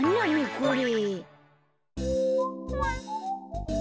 これ。